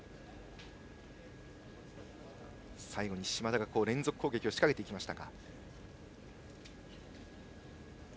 最後に嶋田が連続攻撃を仕掛けていきました。